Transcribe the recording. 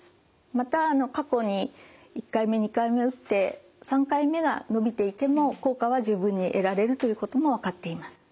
また過去に１回目２回目打って３回目が延びていても効果は十分に得られるということも分かっています。